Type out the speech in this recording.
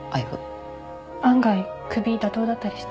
案外クビ妥当だったりして。